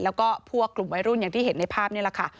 แล้วก็พวกกลุ่มวัยรุ่นอย่างที่เห็นในภาพนี่แหละค่ะ